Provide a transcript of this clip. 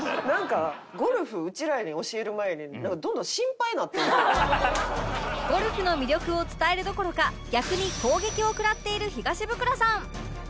ゴルフうちらに教える前になんかどんどんゴルフの魅力を伝えるどころか逆に攻撃を食らっている東ブクロさん